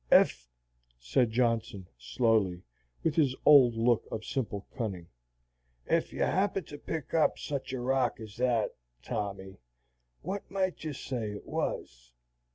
"Ef," said Johnson, slowly, with his old look of simple cunning, "ef you happened to pick up sich a rock ez that, Tommy, what might you say it was?"